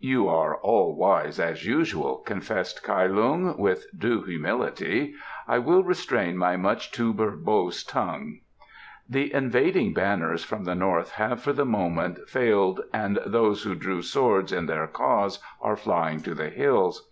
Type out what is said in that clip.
"You are all wise as usual," confessed Kai Lung, with due humility. "I will restrain my much too verbose tongue." "The invading Banners from the north have for the moment failed and those who drew swords in their cause are flying to the hills.